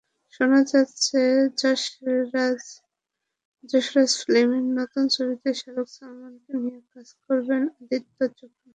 শোনা যাচ্ছে, যশরাজ ফিল্মসের নতুন ছবিতে শাহরুখ-সালমানকে নিয়ে কাজ করবেন আদিত্য চোপড়া।